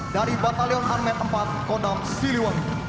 dari batalion armet empat kondom siliwami